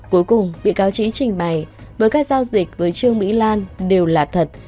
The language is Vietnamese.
cuối cùng bị cáo trí trình bày với các giao dịch với trương mỹ lan đều là thật